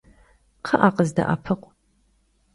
Kxhı'e, khızde'epıkhu!